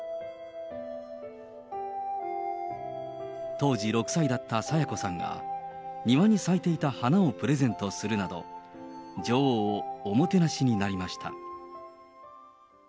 当時６歳だった清子さんが、庭に咲いていた花をプレゼントするなど、女王をおもてなしになりました。